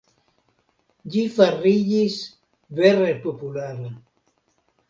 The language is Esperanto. Ĝi fariĝis vere populara.